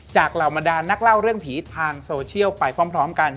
เหล่าบรรดานนักเล่าเรื่องผีทางโซเชียลไปพร้อมกัน